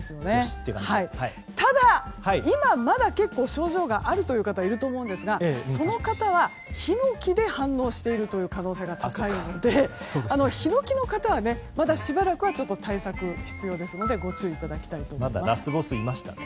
ただ、今まだ結構症状があるという方もいると思うんですが、その方はヒノキで反応しているという可能性が高いのでヒノキの方はまだしばらくは対策必要ですのでご注意いただきたいと思います。